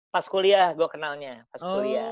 pas kuliah gue kenalnya pas kuliah